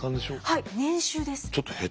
はい。